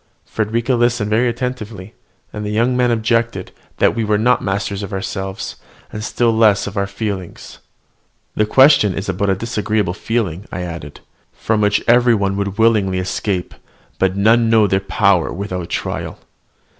Frederica listened very attentively: and the young man objected, that we were not masters of ourselves, and still less so of our feelings. "The question is about a disagreeable feeling," I added, "from which every one would willingly escape, but none know their own power without trial.